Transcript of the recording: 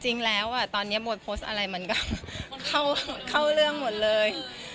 จริงแล้วตอนนี้โมยโพสต์อะไรมันก็เข้าเรื่องหมดเลย